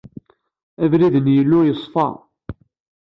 Abrid n Yillu yeṣfa.